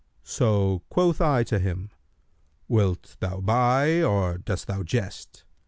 So quoth I to him, 'Wilt thou buy or dost thou jest?'